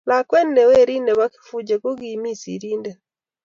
Lakwet ne werit nebo Kifuja kokimii serindet